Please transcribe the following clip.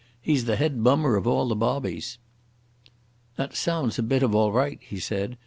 He's the head bummer of all the bobbies." "That sounds a bit of all right," he said.